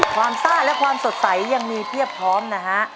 ซ่าและความสดใสยังมีเทียบพร้อมนะฮะ